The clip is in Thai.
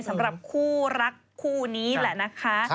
สำหรับคู่รักคู่นี้แหละนะคะ